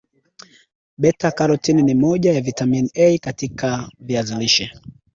beta karotini ni moja ya vitamini A katika viazi lishe